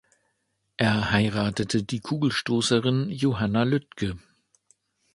Er heiratete die Kugelstoßerin Johanna Lüttge.